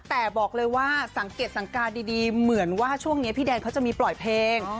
แต่บอกเลยว่าสังเกตสังการดีเหมือนว่าช่วงนี้พี่แดนเขาจะมีปล่อยเพลง